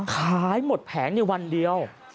ขายหมดแผงในวันเดียว